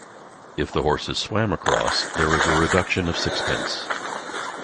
If the horses swam across, there was a reduction of sixpence.